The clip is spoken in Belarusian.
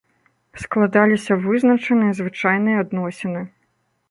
Складаліся вызначаныя звычайныя адносіны.